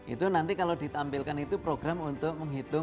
itu nanti kalau ditampilkan itu program untuk menghitung